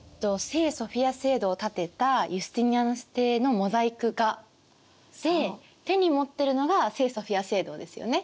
聖ソフィア聖堂を建てたユスティニアヌス帝のモザイク画で手に持ってるのが聖ソフィア聖堂ですよね。